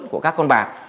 của các con bạc